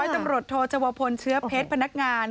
หมวดโบ๊ทโทจวพลเชื้อเพชรพนักงาน